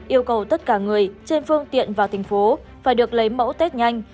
yêu cầu tất cả người trên phương tiện vào thành phố phải được lấy mẫu test nhanh